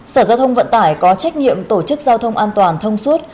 sở giao thông vận tải có trách nhiệm tổ chức giao thông an toàn thông suốt